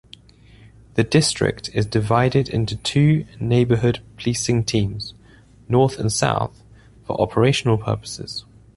The district is divided into two neighbourhood policing teams-North and South-for operational purposes.